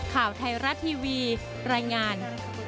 ข่าวไทยรัฐทีวีรายงาน